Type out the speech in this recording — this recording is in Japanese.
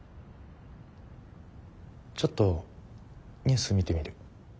ちょっとニュース見てみる。